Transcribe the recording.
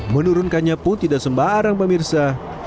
menurunkannya pun tidak sembarang pemirsa